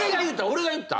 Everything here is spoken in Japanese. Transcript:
俺が言った？